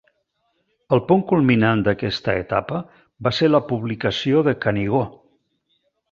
El punt culminant d'aquesta etapa va ser la publicació de Canigó.